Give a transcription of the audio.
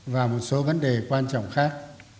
và một số vấn đề quan trọng khác